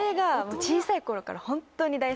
小さい頃から？